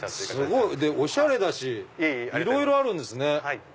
すごい！おしゃれだしいろいろあるんですね。